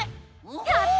やった！